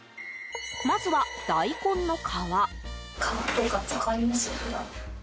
まずは大根の皮。